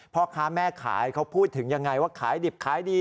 พ่อค้าแม่ขายเขาพูดถึงยังไงว่าขายดิบขายดี